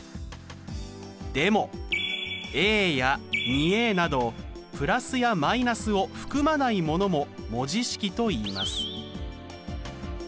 でもや２などプラスやマイナスを含まないものも文字式といいます。